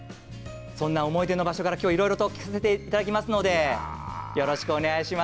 そんな思い出の場所から今日はいろいろと聞かせていただきますのでよろしくお願いします。